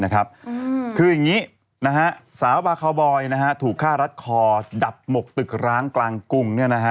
คืออย่างนี้สาวบาคาวบอยถูกฆ่ารัดคอดับหมกตึกร้างกลางกรุง